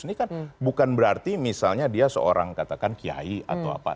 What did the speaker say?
ini kan bukan berarti misalnya dia seorang katakan kiai atau apa